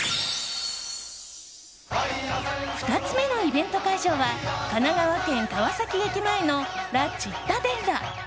２つ目のイベント会場は神奈川県川崎駅前のラチッタデッラ。